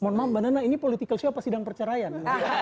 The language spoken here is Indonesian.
mohon maaf mbak nana ini political show apa sidang perceraian